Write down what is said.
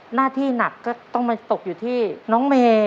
หน้าที่หนักก็ต้องมาตกอยู่ที่น้องเมย์